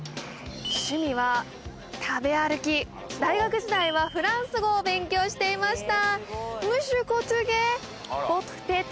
趣味は食べ歩き大学時代はフランス語を勉強していました